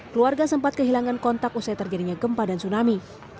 keluarga sempat kehilangan kontak usai terjadinya gempa dan tsunami